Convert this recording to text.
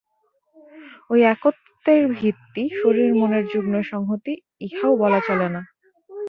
ঐ একত্বের ভিত্তি শরীর-মনের যুগ্ম সংহতি, ইহাও বলা চলে না।